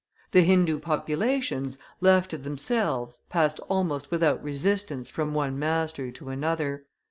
The Hindoo populations, left to themselves, passed almost without resistance from one master to another.